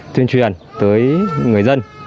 tuyên truyền tới người dân